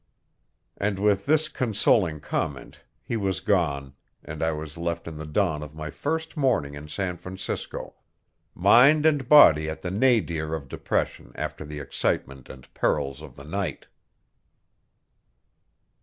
And with this consoling comment he was gone, and I was left in the dawn of my first morning in San Francisco, mind and body at the nadir of depression after the excitement and perils of the night.